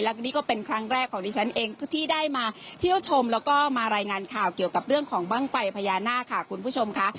แล้วก็นี่ก็เป็นครั้งแรกของดิฉันเองที่ได้มาเที่ยวชมแล้วก็มารายงานข่าวเกี่ยวกับเรื่องของบ้างไฟพญานาคค่ะคุณผู้ชมค่ะ